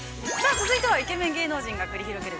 続いてはイケメン芸能人が繰り広げる